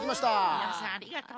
みなさんありがとう。